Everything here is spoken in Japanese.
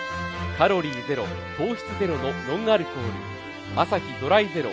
カロリーゼロ、糖質ゼロのノンアルコールアサヒドライゼロ